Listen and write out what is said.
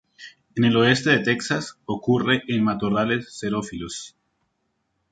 En el oeste de Texas ocurre en matorrales xerófilos.